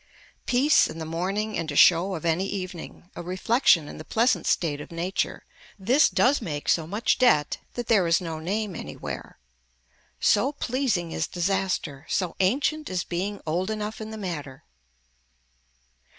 Peace and the morning and a show of any evening, a reflection and the pleasant state of nature, this does make so much debt that there is no name anywhere. So pleasing is disaster, so ancient is being old enough in the matter.